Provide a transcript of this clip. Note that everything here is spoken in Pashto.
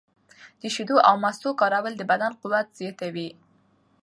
د شیدو او مستو کارول د بدن قوت زیاتوي.